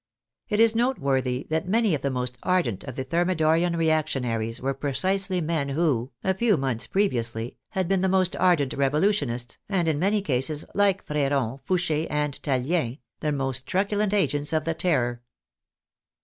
It is noteworthy that many of the most ardent of the Thermidorian reactionaries were precisely men who, a few months previously, had been the most ardent revolutionists, and, in many cases, like Freron, Fouche, and Tallien, the most truculent agents of the " Terror."